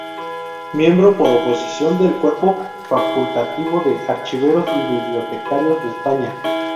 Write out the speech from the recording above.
Miembro por oposición del Cuerpo Facultativo de Archiveros y Bibliotecarios de España.